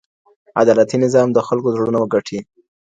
عدالتي نظام د خلګو زړونه ګټي.